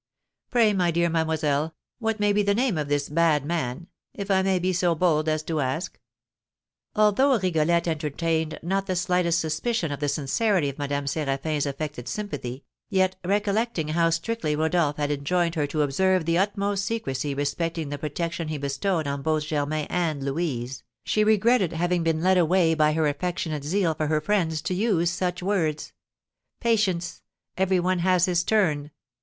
Pray, my dear mademoiselle, what may be the name of this bad man, if I may make so bold as to ask?" Although Rigolette entertained not the slightest suspicion of the sincerity of Madame Séraphin's affected sympathy, yet, recollecting how strictly Rodolph had enjoined her to observe the utmost secrecy respecting the protection he bestowed on both Germain and Louise, she regretted having been led away by her affectionate zeal for her friends to use such words, "Patience; every one has his turn!"